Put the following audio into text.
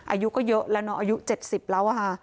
อายุก็เยอะแล้วน้องอายุ๗๐แล้วค่ะ